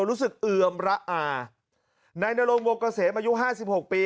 รู้สึกเอือมระอานายนรงวงเกษมอายุห้าสิบหกปี